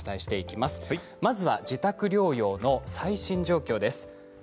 まずは自宅療養の最新状況です。